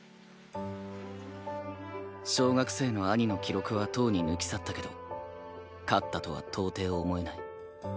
小学生の兄の記録はとうに抜き去ったけど勝ったとは到底思えない。